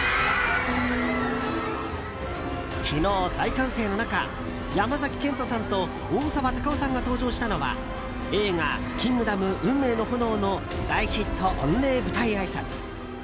昨日、大歓声の中山崎賢人さんと大沢たかおさんが登場したのは映画「キングダム運命の炎」の大ヒット御礼舞台あいさつ。